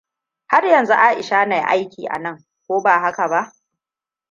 Har yanzu Aisha na aiki anan, ko ba haka ba?